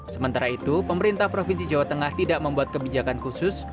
sementara itu pemerintah provinsi jawa tengah tidak membuat kebijakan khusus